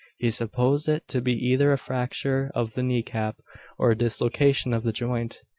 He supposed it to be either a fracture of the knee cap, or a dislocation of the joint.